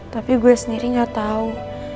tapi gue sendiri gak tahu